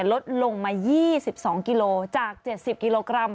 ลดลงมา๒๒กิโลจาก๗๐กิโลกรัม